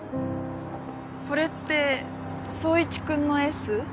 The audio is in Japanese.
これって宗一君の「Ｓ」？